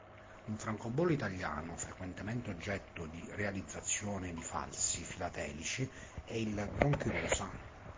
Un francobollo italiano frequentemente oggetto di realizzazione di falsi filatelici è il Gronchi rosa.